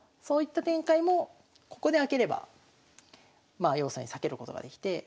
そういった展開もここで開ければまあ要するに避けることができて。